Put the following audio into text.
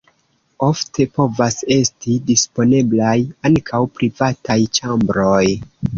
Ofte povas esti disponeblaj ankaŭ privataj ĉambroj.